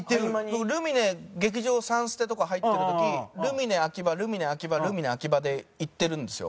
僕ルミネ劇場３ステとか入ってる時ルミネ秋葉ルミネ秋葉ルミネ秋葉で行ってるんですよ。